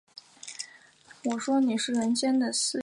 叶片的圆形裂片为扑克牌梅花图案的来源。